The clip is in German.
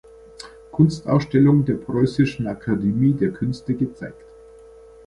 Kunstausstellung der Preußischen Akademie der Künste gezeigt.